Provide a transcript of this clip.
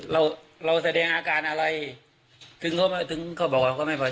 เราเราแสดงอาการอะไรถึงเขามาถึงเขาบอกว่าเขาไม่พอใจ